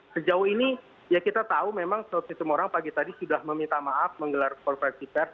sejauh ini ya kita tahu memang saud siti morang pagi tadi sudah meminta maaf menggelar konversi pers